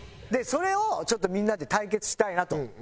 それをちょっとみんなで対決したいなと思って。